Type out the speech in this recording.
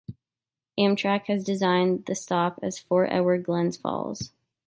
Amtrak has designated the stop as Fort Edward-Glens Falls.